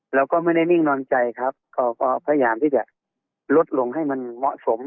เราก็ไม่ได้นิ่งนอนใจครับเขาก็พยายามที่จะลดลงให้มันเหมาะสม